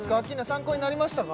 参考になりましたか？